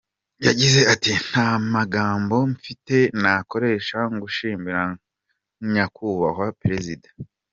Yagize ati “ Nta magambo mfite nakoresha ngushimira Nyakubahwa Perezida.